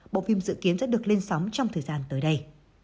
bộ phim dự kiến sẽ được lên sóng trong thời gian tới đây